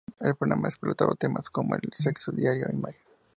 El programa exploraba temas como el sexo, dinero e imagen.